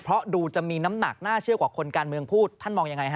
เพราะดูจะมีน้ำหนักน่าเชื่อกว่าคนการเมืองพูดท่านมองยังไงฮ